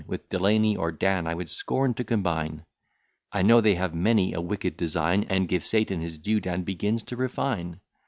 With Delany or Dan I would scorn to combine. I know they have many a wicked design; And, give Satan his due, Dan begins to refine.